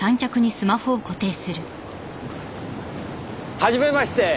はじめまして。